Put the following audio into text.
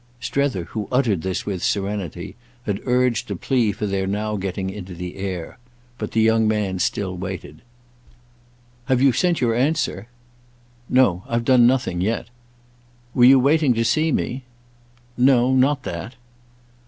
Strether, who uttered this with serenity, had urged a plea for their now getting into the air; but the young man still waited. "Have you sent your answer?" "No, I've done nothing yet." "Were you waiting to see me?" "No, not that."